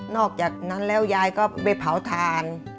อกจากนั้นแล้วยายก็ไปเผาทาน